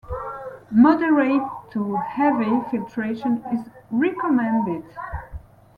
Moderate to heavy filtration is recommended.